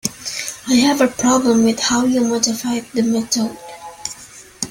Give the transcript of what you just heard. I have a problem with how you motivate the method.